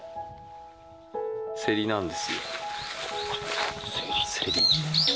セリなんですよ。